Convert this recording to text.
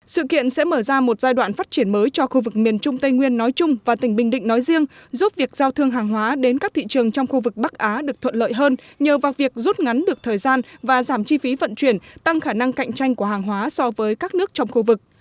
sự kiện sẽ mở ra một giai đoạn phát triển mới cho khu vực miền trung tây nguyên nói chung và tỉnh bình định nói riêng giúp việc giao thương hàng hóa đến các thị trường trong khu vực bắc á được thuận lợi hơn nhờ vào việc rút ngắn được thời gian và giảm chi phí vận chuyển tăng khả năng cạnh tranh của hàng hóa so với các nước trong khu vực